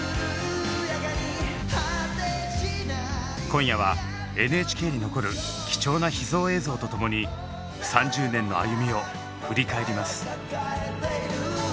今夜はＮＨＫに残る貴重な秘蔵映像とともに３０年の歩みを振り返ります。